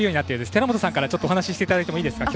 寺本さんからお話していただいてもいいですか。